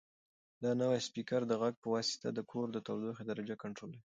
دا نوی سپیکر د غږ په واسطه د کور د تودوخې درجه کنټرولوي.